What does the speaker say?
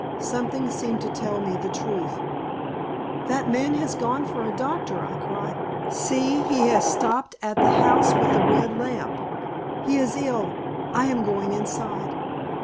Something seemed to tell me the truth. "That man has gone for a doctor," I cried. "See, he has stopped at the house with the red lamp. He is ill! I am going inside."